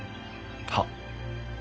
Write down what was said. はっ。